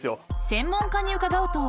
［専門家に伺うと］